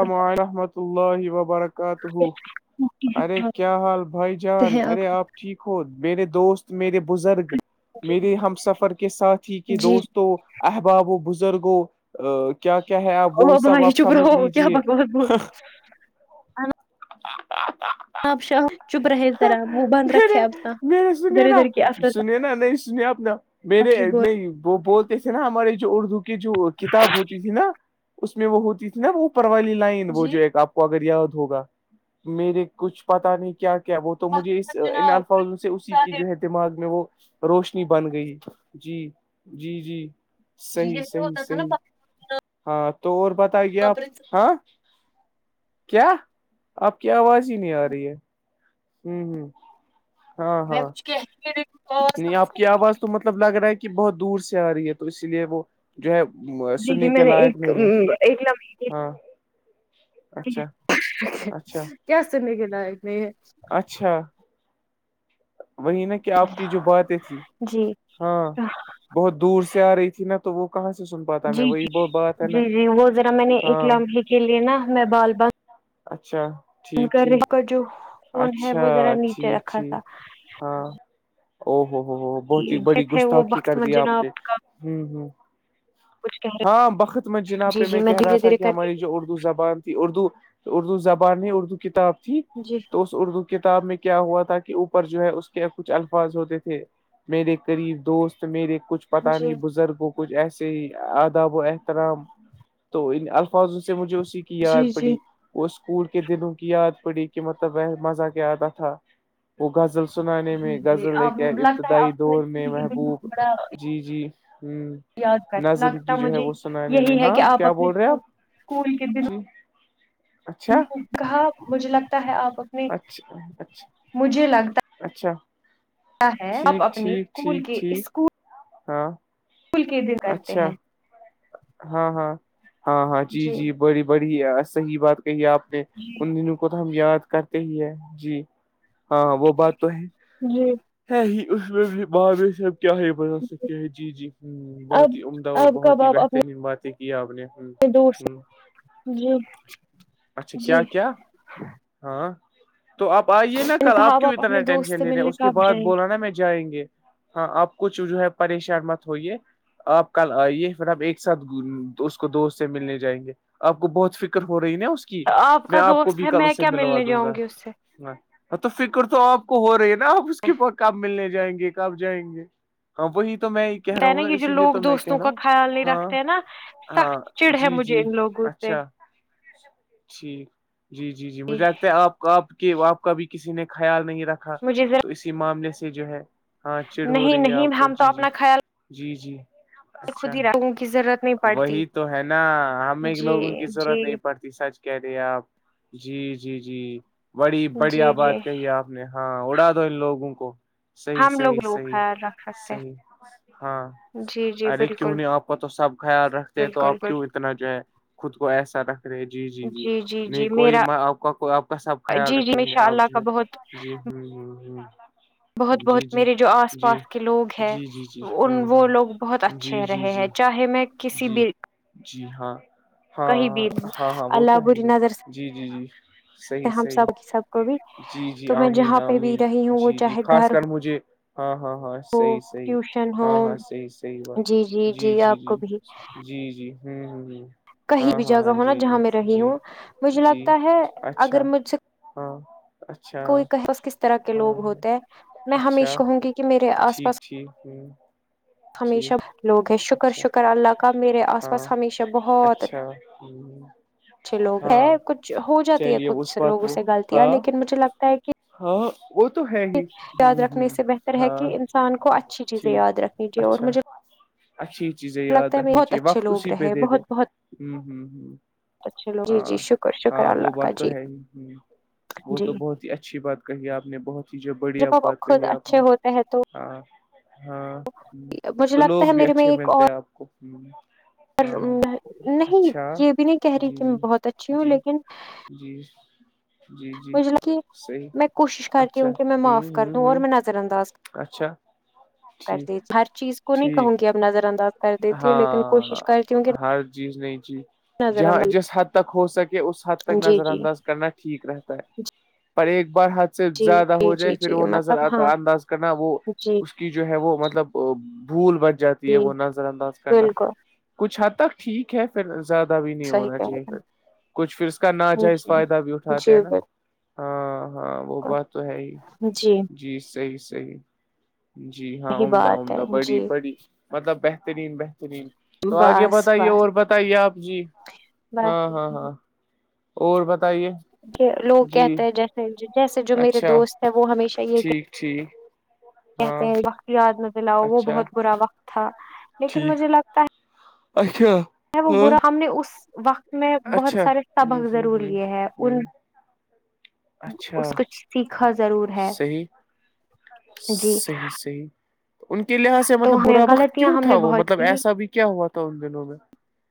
اللہورحمۃ اللہ وبرکاتہ [unintelligible] ات ہو ارے سکتے کیا حال بھائی جان ارے آپ ٹھیک ہو میرے دوست میرے بزرگ جی میرے ہم سفر کے سات ہی کے جی دوست تو احباب و بزرگوں کیا کیا ہے آپ وہ او سب بھائی آپ چپ سمجھ رہو لیجیے کیا بکواس بول رہے [inaudible] [inaudible] مے آپ شاہ چپ رہے ذرا منہ بند رکھے اپنا م نے ادھر سنے نا ادھر کی افرت سنےینا نہیں سن اپنا [unintelligible] میرے تفری بول نہیں وہ بہت تھے نا ہماراری جو اردو کی جو کتاب ہوتی تھی نا اس میں وہ ہوتی تھی نا وہ پروی لائن وہ جی جو ایک آپ کو اگر یاد ہوگا میرے کچھ پتا نہیں کیا کیا کیا وہ تو مجھے اس ان جناب الفاظوں سے اسی کی جو ہے دماغ میں وہ روشنی بن گئی جی جی جی جی صحی یہی صحیح ہوتا تھا نا صحیح ہاں تو اور بتائیے آپ ہاں کیا آپ کی آواز ہی نہیں آ رہی ہے ہوں ہوں ہاں ہاں کہ [unintelligible] نہیں آپ کی آواز تو مطلب لگ رہا ہے کہ بہت دور سے آ رہی ہے تو اسی لیے وہ جو ہے جی جی سننے میں کے نے لائق ایک نہیں ہے ایک لمحے ہاں اچھا اچھا کیا سنے کے لائق نہیں یہ اچھا وہی نا کہ آپ کی جو باتیں تھی جی ہاں بہت دور سے آ رہی تھی نا تو وہ کاں سن پاتا میں جی وہی جی وہ بات ہے نا جی جی وہ ذرا میں نے ایک ہاں لمحے کے لیے نا میں بال بغ اچھا ان ٹھیک کا ر ٹھیک کا جو فون ہے وہ اچھا ذرا نیچے ٹھیک رکھا تھا ٹھیک ہاں او ہوو ہو ہو بہت ہی بڑی جیت ہے وہ گستاخی وقت کر دیا آپ مجنا نے جی ہوں کچھ کہہ ہاں بخط مت رہے جناب جی پہ جی میں کہہ رہا دھیرے تھا دھیرے کہ کر کے ہماری جو اردو زبان تھی اردو اردو زبان نے اردو کتاب تھی جی تو اس اردو کتاب میں کیا ہوا تھا کہ اوپر جو ہے اس کے کچھ الفاظ ہوتے تھے میرے قریب دوست میرے کچھ پتا جی نہیں بزرگوں کچھ ایسے ہی آداب و احترام تو ان الفاظوں سے مجھے اسی کی یاد جی جی پڑی وہ اسکول کے دلوں کی یاد پڑی کہ مطلب وہ مزہ کیا آتا تھا وہ غزل سنانے جی میں جی غزل ہے آپ کیا لگتا ہے آپ ابتدائی کو دور میں اسکول کے دن محبوب بڑا جی جی ہ یاد کر نظم کی لگتا جو ہے مجھے وہ سنانے میں یہی ہے ہاں کہ آپ کیا اپنے بول رہے آپ اسکول کے جی دنوں اچھا کہاں مجھے لگتا ہے آپ اپنے اچھا اچھا مجھے لگتا اچھا ہے آپ ٹھیک ٹھیک ٹھیک ٹھیک ہاں پل کی در کرتے اچھا ہیں [unintelligible] ہاں ہاں ہاں ہاں جی جی بڑی بڑی صحیح بات کہ آ نے ان دنوں کو تو ہم یاد کرتے ہی ہے جی ہاں وہ بات تو ہے جی ہے ہی اس میں بھی باب صاب کیا ہے [unintelligible] ب سک کیا ہے جی جی ہ اب بہت ہی عمدہ اور اب بہت کب آپ اپنے بہترین باتیں کی آپ نے ہ ہ دوست جی اچھا جی کیا میں کیا ہاں تو آپ آئیے نا نے کل کہا آپ اب کیوں اپنے اتنا دوست ٹینشن سے لے رہے ہیں ملنے اس کے کب بعد جائیں بولا نا میں جائیں گے ہاں آپ کچ جو ہے پریشان مت ہوئیے آپ کل آئیے پھر آپ ایک ساتھ اس کو دوست سے ملنے جائیں گے آپ کو بہت فکر ہو رہی ہے نا اس کے میں کا آپ کو دوست بھی ہے کل میں اسے کیا ملوا ملنے دوں جاؤں گا گی اس سے تو فکر تو آپ کو ہو رہی ہے نا آپ اس کے کام ملنے جائیں گے کب جائیں گے ہاں وہی تو میں ہی کہہ رہا ہے ہوں نا یہ جو اسی لیے لوگ تو میں کہہ دوستوں رہا کا ہوں خیال نہیں ہاں رکھتے ہیں نا ہاں سخت چڑ ہے جی مجھے جی ان لوگوں سے اچھا ٹھیک جی جی جی مجھے لگتا ہے آپ آپ کے آپ کا بھی کسی نے خیال نہیں رکھا مجھے تو ذرا اسی معاملے سے جو ہے ہاں چڑ ہو نہیں رہی ہے آپ نہیں کو ہم تو جی جی اپنا خیال جی جی خود اچھا ہی رکھوں کی ضرورت نہیں پڑتی وہی تو ہے نا ہمیں جی لوگوں کی جی ضرورت نہیں پڑتی سچ کہہ رہے ہیں آپ جی جی جی بڑی بڑیا جی جی بات کہی آپ نے ہاں اڑا دو ان لوگوں کو صی ہم صی لوگ لوگ خیال رکھ سکتے صیی ہاں ہیں جی جی ار بالکل آپ کا تو سب خیال رکھ تو بالکل آپ کیوں بال اتنا جو ہے خود کو ایسا رکھ رہے ہیں جی جی جی نہیں کوئی آپ کا کو آپ کا سب خیال جی جی ان رکھیں گے شاء آپ اللہ جو کا ہے بہت جی ہ ہ ہ بہت جی بہت جی میرے جو آس جی پاس کے لوگ ہیں جی جی جی ہ ان وہ ہ لوگ بہت اچھے جی ہیں جی رہے ہیں جی چاہے میں کسی جی بھی جی ہاں کہیں ہاں بھی ہاں ہاں وہ تو اللہ ہے بری ہی نظر سے جی جی جی صحیح ہم صحیح سب سب کو بھی جی جی تو میں آمین جہاں پہ بھی آمین رہی ہوں وہ جی جی چاہے خاص گھر ہو کر مجھے ہاں ہاں ہاں سحیح سحی ٹیوشن ہو ہاں ہاں صحیح سحیح بات جی جی ج جی آپ کو بھی جی جی ہوں جی کہیں ہاں بھی ہاں جگہ ہاں ہو نا جہاں جی میں رہی جی ہوں مجھے جی لگتا ہے اچھا اگر مجھ سے ہاں اچھا کوئی کہ بس کس طرح کے ہاں لوگ ہاں ہوتے ہیں میں ہمیش کہوں گی کہ میرے آس پاس جٹھیک ہے ہمیشہ لوگ ہیں شکر اچھا شکر اللہ کا میرے آس ہاں پاس ہمیشہ بہت اچھا ہ اچھے لوگ ہے ہاں کچھ ہو جاتی ہے چلیے اس کچھ بات لوگوں وہ سے غلطیاں ہاں لیکن مجھے لگتا ہے کہ ہاں وہ تو ہے ہی یاد ہ ہ رکھنے سے بہتر ہے ہاں کہ انسان کو اچھی چیزیں ٹھیک یاد رکھنی چاہیے اور اچھا مجھے اچھی چیزیں یاد لگتا ہے رکھنی بہت چاہیے اچھے وقت لوگ اسی پہ رہے دے دے بہت بہت ہ ہوں ہ اچھے لوگ جی ہاں جی شکر شکر ہاں وہ اللہ کا بات تو جی ہے ہی ہ وہ جی تو بہت اچھی بات کہی آپ نے بہت ہی جو بڑھیا جب اپ بات خود کہی ہے آپ اچھے نے ہوتے ہیں تو ہاں ہاں مجھے تو لوگ لگتا ہے بھی میرے اچھے ملتے ہیں آپ کو پر ہاں ہاں نہیں اچھا یہ بھی نہیں کہہ رہی جی کہ میں بہت اچھی ہوں جی لیکن جی جی جی جی مجھ صحیح میں کوشش کرتی اچھا ہوں کہ میں ہ معاف کر ہ دوں اور ہ میں نظر انداز اچھا کر ٹھیک دی ہر چیز کو نہیں کہوں ٹھیک گی اپ نظر آداز ہاں ہر چیز ن چی نظر جہاں انداز جس حد تک ہو سکے اس حد تک جی نظر جی انداز کرنا ٹھیک رہتا ہے پر ایک بار ہھ س سے جی زیادہ جی ہو جائے جی پھر جی وہ نظر مطلب ہاں انداز کرنا وہ جی کی جو ہے وہ مطلب بھول بچ جاتی ہے جی وہ نظر انداز کرنا بالکل کچھ حد تک ٹھیک ہے پھر زیادہ بھی نہیں صحیح ہونا کہہ چاہیے رہے پھر کچھ پھر اس کا ہیں ناجائز جی فائدہ بھی اٹھاتے ہیں جی نا بالکل ہاں ہاں وہ بات تو ہے ہی جی صحی صحی جی ہاں یہی عمدہ بات عمدہ ہے بڑی جی بڑی مطلب بہترین بہترین تو آگے بس بتائیے بس اور بتائیے آپ جی ہاں باقی ہاں ہاں اور بتائیے لوگ جی کہتے ہیں جیسے جیسے جو میرے دوست ہے وہ ہمیشہ یہ کہ جی کہتے ہیں وقت یاد نہ دلاؤ وہ اچھا بہت برا وقت تھا لیکن ٹھیک مجھے لگتا ہے اچھا وہ ہاں برا ہم نے اس وقت میں بہت اچھا سارے ہ سبق ہ ضرور ہ لیے ہیں ہ ان اچھا اس کچھ سیکھا ضرور ہے صحیح جی صحیح صحیح ان کے لحاظ سے تو مطلب ہمیں برا وقت غلطیاں کیوں ہم تھا نے وہ بہت مطلب کی ایسا بھی کیا ہوا تھا ان دنوں میں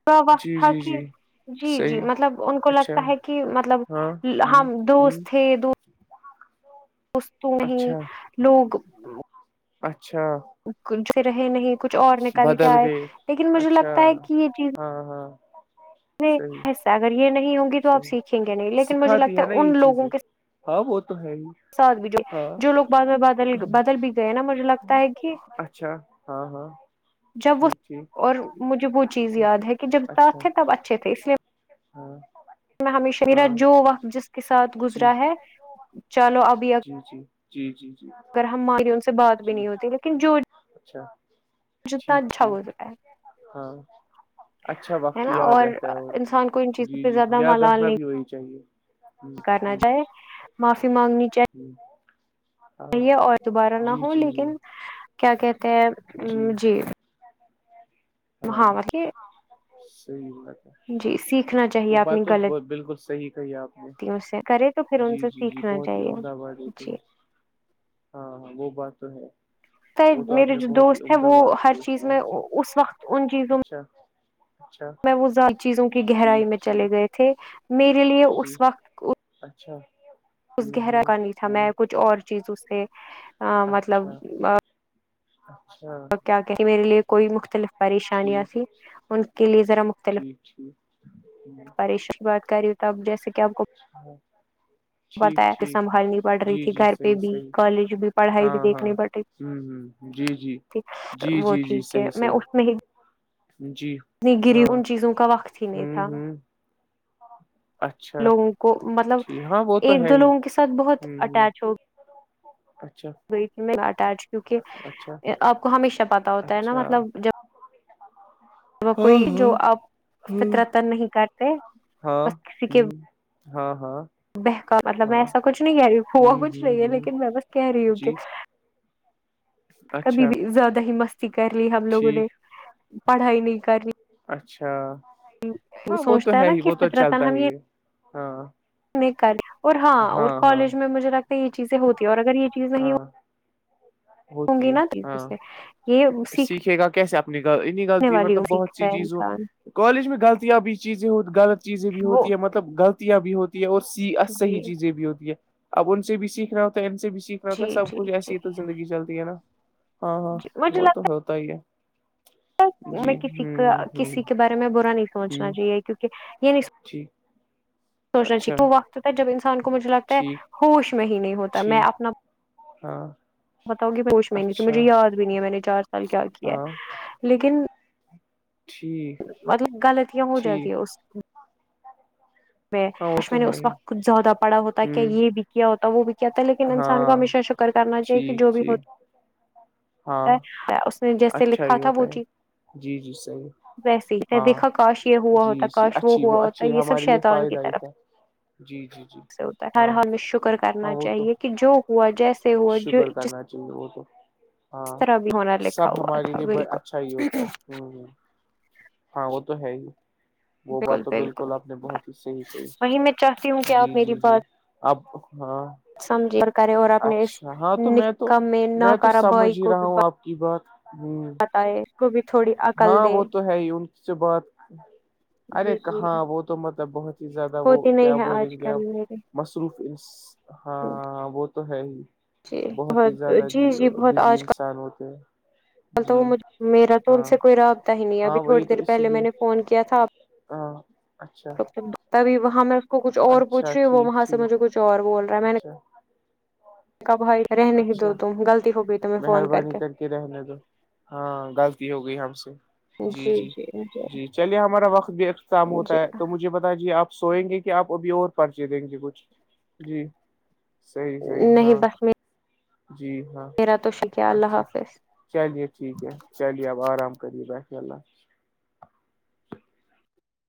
تو وقت جی تھا جی کہ جی جی جی صحیح مطلب ان کو اچھا لگتا ہے کہ مطلب ہاں ہ ہم ہ دوست تھے دو اس تو نہیں اچھا لوگ اچھا کچ سے رہے نہیں کچھ اور نکل کے بدل آئے گئے لیکن مجھے اچھا لگتا ہے کہ یہ چیز ہاں ہاں نہیں صحیح ایسا اگر یہ نہیں ہوںگی تو آپ صحیح سیکھیں گے نہیں لیکن مجھے سکھاتی لگتا نا ہے یہ ان لوگوں چیزیں کے ہاں وہ تو ہے ہی سات بجے ہاں جو لوگ بعد میں بدل بدل بھی گئے نا مجھے لگتا ہے کہ اچھا ہاں ہاں جب وہ ٹھیک ٹھیک اور مجھے وہ چیز ٹھیک یاد ہے کہ جب ساتھ اچھا تھے تب اچھے تھے اس لیے ہاں میں ہمیشہ میرا ہاں جو وقت جس کے ساتھ جی گزرا ہے چلو ابھی جی جی جی جی جی اگر ہم ماری ان سے بات بھی جی نہیں ہوتی لیکن جو اچھا جتا ٹھیک اچھا ہوز ٹھیک رہا ہے ہاں اچھا ہے وقت نا یاد اور رہتا ہے انسان کو ان چیزوں جی پہ جی زیادہ یاد مالال رکھنا نہیں بھی وہی چاہیے کرنا چاہے معافی مانگنی چاہیے ہوں [inaudible] اور دوبارہ نہ ہو جی جی لیکن کیا کہتے ہیں جی مہ ہاں ماہ صحیح بات ہے جی سیکھنا وہ چاہیے اپپنی بات تو بالکل صحیح کہی آپ نے غلطوں سے کرے تو پھر ان جی سے جی جی سیکھنا بہت ہی چاہیے عمدہ بات یہ کہی جی ہاں ہاں وہ بات تو ہے وہ تو آپ میرے نے جو بہت ہی دوست ہے عمدہ وہ بات ہر کی اس چیز لحاظ میں سے اس وقت ان چیزوں میں اچھا اچھا میں وہ زیادہ چیزوں کی گہرائی ٹھیک میں چلے ٹھیک گئے تھے میرے لیے اس ٹھیک وقت اچھا اس ہ گہرا ہ کا نہیں تھا ہ میں کچھ اور چیزوں سے مطلب اچھا اچھا تو کیا کہتی میرے لیے کوئی مختلف پریشانیاں ان کے لیے ذرا جی مختلف اچھا پریشانی بات کر رہی ہو تو اب جیسے کہ آپ کو ہاں بتایا کہ سنبھالنی پڑ رہی جی تھی جی گھر پہ صحیح بھی صحیح کالج بھی پڑھائی بھی ہاں دیکھنی ہاں پڑ رہی تھی ہ ہ جی جی جی وہ جی تھی جی کہ صحیح میں صحیح اس میں ہی جی اتنی گری ہاں ان چیزوں کا وقت ہی نہیں ہ تھا ہ اچھا لوگوں کو مطلب ٹھیک ہاں وہ تو ایک ہے دو ہی لوگوں کے ساتھ بہت ہوں اٹیچ ہوگی اچھا چ کیک اچھا آپ کو ہمیشہ پتا ہوتا ہے نا اچھا مطلب جب ج [unintelligible] ہاں کوئی جو آپ ہاں فطرتن نہیں کرتے ہاں بس کسی کے ہاں ہاں بہ کاا مطلب میں ہاں ایساچھ نہیں کہ رہی ہوا ہوں کچھ ہوں نہیں ہے ہوں لیکن میں بس کہہ رہی ہوں کہ جی کبھی اچھا بھی زیادہ ہی مستی کر لی ہم لوگوں نے ٹھیک پڑھائی نہیں کر لی اچھا ہاں وہ تو سوچتا ہے نا ہی کہ وہ تو فطر تن چلتا ہم یہ ہی ہے ہاں نہیں کریں اور ہاں اور کالج میں مجھے لگتا ہے یہ چیزیں ہوتی ہے اور اگر یہ چیزیں یہ ہاں ہوتی ہے ہاں سیکھنے سیکھے گا کیسے اپنینی غلطی والی مطلب بہت سیکھتا سی ہے چیزوں انسان کالج میں غلطیاں بھی چیزیں ہو غلط چیزیں بھی وہ ہوتی ہے مطلب غلطیاں بھی ہوتی ہے اور س صح جی چیزیں بھی ہوتی ہے اب ان سے بھی سیکھناا ہوتا ہے ان سے بھی سیکھنا ہوتا جی سب جی کچھ جی ایسی ہی تو زندگی چلتی ہے نا ہاں ہاں جی مجھے وہ تو لگتا ہوتا ہی ہے میں جی کسی کا ہوں ہ کسی کے بارے میں برا نہیں سوچنا چاہیے کیوںکہ یہ نہیں جی سوچنا چاہیے وہ وقستتا ہے جب انسان کو مجھے لگتا ہے ٹھیک ہوش میں ہی نہیں ہوتا میں ٹھیک اپنا ہاں بتاؤ گی پوش میں نہیں تھی اچھا مجھے یاد بھی نہیں ہے میں نے چار سال کیا کیا ہاں ہے لیکن ٹھیک مطلب غلطیا ہو جاتی ٹھیک ہے اس میں ہاں وہ آش میں تو نے ہے اس ہی وقت کچھ زیادہ پڑا ہوتا کیا ہ یہ بھی کیا ہوتا وہ بھی کیا تھا لیکن انسان کو ہاں ہمیشہ شکر کرنا چاہیے کہ ٹھیک جو بھی ٹھیک ہوتا ہاں اس نے جیسے اچھا لکھا ہی تھا وہ ہوتا ہے جی جی جی صحیح ویسے ہی ہاں دیکھا کاش یہ ہوا جی ہوتا جی کاش وہ اچھی ہوا ہوتا اچھی یہ سب ہمارے لیے شہتا فائدہ ہی تھا [unintelligible] ہوتا ہر ہاں حال میں شکر ہاں کرنا وہ تو چاہیے کہ جو ہوا جیسے ہوا شکر ج کرنا چاہیے وہ تو ہاں [unintelligible] سب ہمارے تھا لیے ب اچھا ہی بالکل ہوتا ہے ہ ہاں وہ تو ہے ہی وہ بالکل بات تو بالکل آپ نے بہت بس ہی صحیح کہی وہی میں چاہتی ہوں کہ جی آپ میری جی جی بات [unintelligible] سمجھے اور کرے اور اپنے اس اچھا ہاں تو میں تو نکم نہ میں تو کارا بھائی سمجھ ہی کو رہا بھی ہوں آپ کی بات ہ بتائے اس کو بھی تھوڑی عقل ہاں دے وہ تو ہے ہی ان سے بات ارے جی جی ہاں وہ تو مطلب بہت ہی زیادہ وہ ہوتی کیا نہیں ہے بولیں آج گے آپ کل میرے مصروف ہاں وہ تو ہے ہی جی بہت ہی زیادہ جی جی بہت بزی آج انسان ہوتے ہیں کل تو جی وہج میرا تو ان ہاں سے کوئی رابطہ ہی نہیں ہے ابھی ہاں تھوڑی وہی تو دیر اسی پہلے میں لیے نے فون کیا تھا آ [unintelligible] تبھی وہاں میں اس کو کچھ اور پوچ اچھا رہی ہوں ٹھیک وہاں سے مجھے ٹھیک کچھ اور بول رہا ہے میں اچھا نے بھائی رہ نہیں دو اچھا تم غلطی ہو گئی ت میں فون کر کے کے رہنے دو ہاں غلطی ہو گئی ہم سے جی جی جی چلیے ہمارا وقت بھی اختتام جی ہوتا ہے تو مجھے بتاجے آپ سوئیں گے کیا آپ ابھی اور پرچے دیں گے کچھ جی صحیح صحیح نہیں ہاں بس جی ہاں میرا تو شکریہ اللہ اچھا حافظ چلیے ٹھیک ہے چلی ج آپ آرام کریے باشاء اللہ